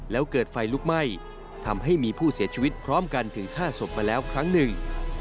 แล้วเกิดไฟลุกไหม้ทำให้มีผู้เสียชีวิตพร้อมกันถึง๕ศพมาแล้วครั้งหนึ่ง